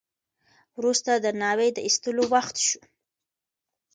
وروسته د ناوې د ایستلو وخت شو.